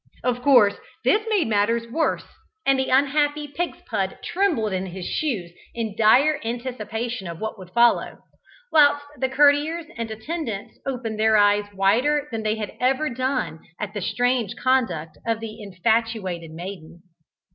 Of course this made matters worse, and the unhappy Pigspud trembled in his shoes in dire anticipation of what would follow, whilst the courtiers and attendants opened their eyes wider than they had ever done at the strange conduct of the infatuated maiden.